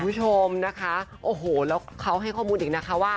คุณผู้ชมนะคะโอ้โหแล้วเขาให้ข้อมูลอีกนะคะว่า